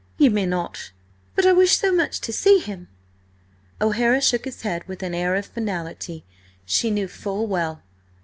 "Ye may not." "But I wish so much to see him!" O'Hara shook his head with an air of finality she knew full well.